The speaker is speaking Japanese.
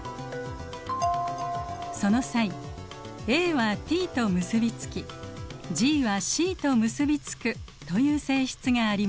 その際ＡはＴと結び付きＧはＣと結び付くという性質がありました。